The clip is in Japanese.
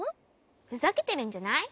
ふざけてるんじゃない？